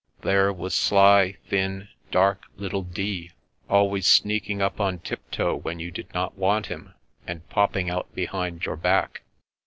There was sly, thin, dark little Dix, always sneaking up on tiptoe when you did not want him, and popping out behind your back.